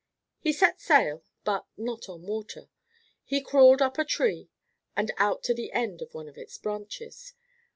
He set sail, but not on water. He crawled up a tree, and out to the end of one of its branches.